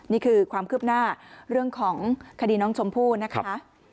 นี่คือความคืบหน้าเรื่องของคดีน้องชมพู่นะคะ